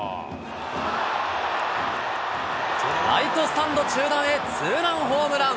ライトスタンド中段へツーランホームラン。